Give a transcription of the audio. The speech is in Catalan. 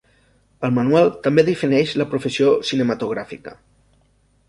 El manual també defineix la professió cinematogràfica.